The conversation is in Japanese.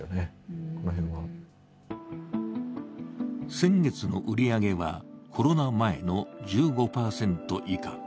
先月の売り上げはコロナ前の１５％以下。